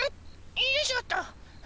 よいしょっと。